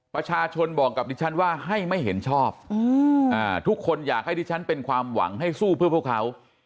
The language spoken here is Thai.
ประชาชนบอกกับดิฉันว่าให้ไม่เห็นชอบทุกคนอยากให้ดิฉันเป็นความหวังให้สู้เพื่อพวกเขา